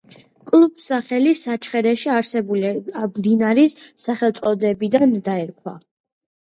კლუბს სახელი საჩხერეში არსებული მდინარის სახელწოდებიდან დაერქვა.